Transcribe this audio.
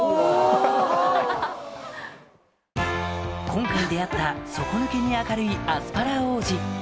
今回出会った底抜けに明るいアスパラ王子